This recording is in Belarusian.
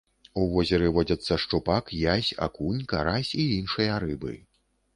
У возеры водзяцца шчупак, язь, акунь, карась і іншыя рыбы.